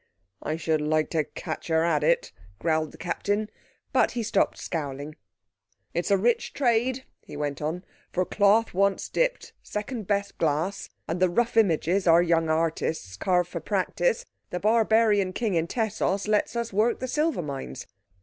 "I should like to catch her at it," growled the Captain, but he stopped scowling. "It's a rich trade," he went on. "For cloth once dipped, second best glass, and the rough images our young artists carve for practice, the barbarian King in Tessos lets us work the silver mines.